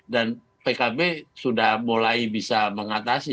dan pkb sudah mulai bisa mengatasi